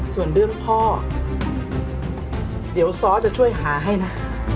ส่วนเรื่องพ่อเดี๋ยวซ้อจะช่วยหาให้นะ